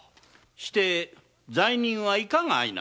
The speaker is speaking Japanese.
して罪人はいかがした？